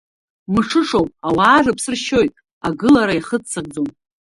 Мҽышоуп ауаа рыԥсы ршьоит, агылара иахыццакӡом.